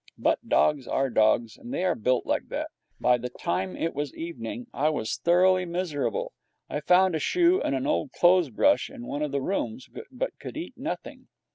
But dogs are dogs, and they are built like that. By the time it was evening I was thoroughly miserable. I found a shoe and an old clothes brush in one of the rooms, but could eat nothing.